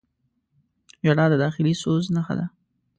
• ژړا د داخلي سوز نښه ده.